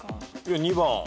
２番。